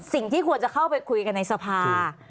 สิ่งที่ควรจะเข้าไปคุยกันในสภา